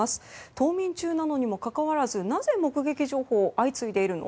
冬眠中なのにもかかわらずなぜ目撃情報相次いでいるの？